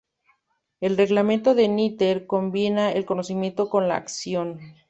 El Reglamento de Ritter combina el conocimiento con la acción.